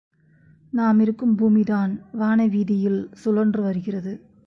நாம் இருக்கும் பூமிதான் வானவீதியில் சுழன்று வருகிறது.